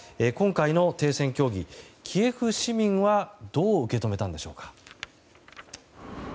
今回の停戦協議、キエフ市民はどう受け止めたんでしょうか。